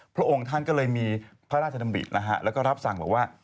พระองค์ท่านก็เลยมีพระราชดำรินะฮะแล้วก็รับสั่งบอกว่า